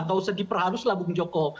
nggak usah diperharus lah bung joko